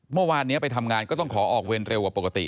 เมื่อวานนี้ไปทำงานก็ต้องขอออกเวรเร็วกว่าปกติ